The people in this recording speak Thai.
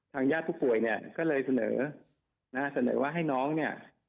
ทางญาติผู้ป่วยก็เลยเสนอว่าให้น้องเนี่ย